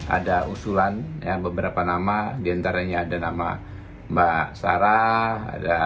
ada usulan beberapa nama diantaranya ada nama mbak sarah